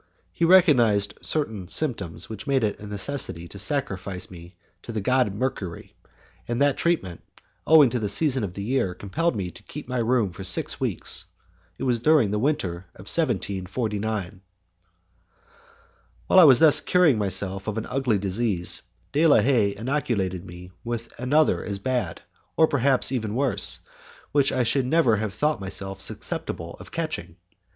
He recognized certain symptoms which made it a necessity to sacrifice me to the god Mercury, and that treatment, owing to the season of the year, compelled me to keep my room for six weeks. It was during the winter of 1749. While I was thus curing myself of an ugly disease, De la Haye inoculated me with another as bad, perhaps even worse, which I should never have thought myself susceptible of catching.